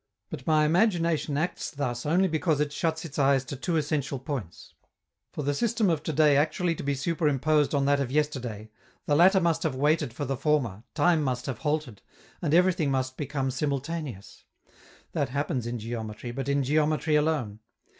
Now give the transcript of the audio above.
But my imagination acts thus only because it shuts its eyes to two essential points. For the system of to day actually to be superimposed on that of yesterday, the latter must have waited for the former, time must have halted, and everything become simultaneous: that happens in geometry, but in geometry alone.